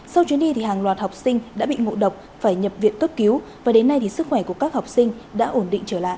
sau chuyến đi hàng loạt học sinh đã bị ngộ độc phải nhập viện cấp cứu và đến nay thì sức khỏe của các học sinh đã ổn định trở lại